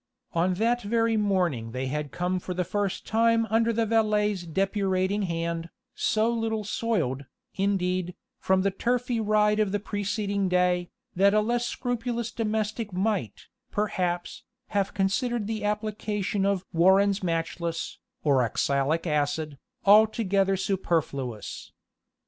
On that very morning had they come for the first time under the valet's depurating hand, so little soiled, indeed, from the turfy ride of the preceding day, that a less scrupulous domestic might, perhaps, have considered the application of "Warren's Matchless," or oxalic acid, altogether superfluous.